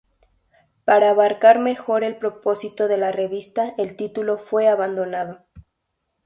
Para abarcar mejor el propósito de la revista, el título fue abandonado.